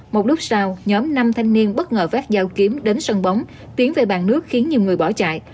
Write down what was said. một lúc sau nhóm năm thanh niên bất ngờ vách dao kiếm đến sân bóng tiến về bàn nước khiến nhiều người bỏ chạy